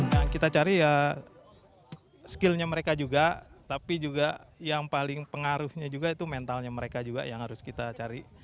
yang kita cari ya skillnya mereka juga tapi juga yang paling pengaruhnya juga itu mentalnya mereka juga yang harus kita cari